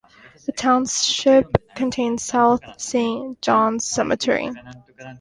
The township contains South Saint Johns Cemetery.